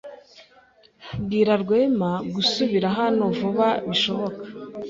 Bwira Rwema gusubira hano vuba bishoboka.